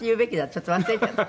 ちょっと忘れちゃって。